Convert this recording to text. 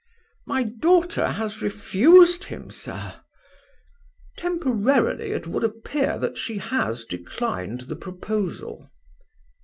"My daughter has refused him, sir?" "Temporarily it would appear that she has declined the proposal."